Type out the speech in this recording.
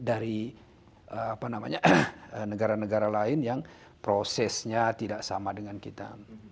dari negara negara lain yang prosesnya tidak sama dengan kita